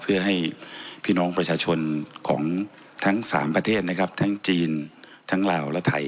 เพื่อให้พี่น้องประชาชนของทั้งสามประเทศนะครับทั้งจีนทั้งลาวและไทย